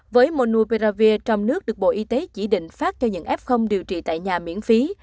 với monu pravir trong nước được bộ y tế chỉ định phát cho những f điều trị tại nhà miễn phí